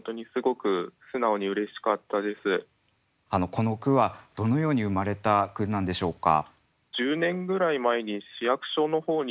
この句はどのように生まれた句なんでしょうか？